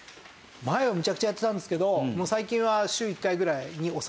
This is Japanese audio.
前はめちゃくちゃやってたんですけど最近は週１回ぐらいに抑えてます。